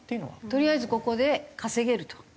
とりあえずここで稼げると？